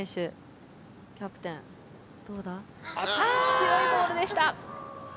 強いボールでした。